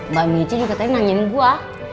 mbak michi juga tadi nanyain gua